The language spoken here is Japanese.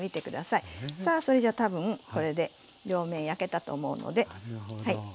さあそれじゃ多分これで両面焼けたと思うのではい。